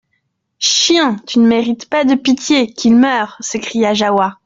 Chien ! tu ne mérites pas de pitié ! Qu'il meure ! s'écria Jahoua.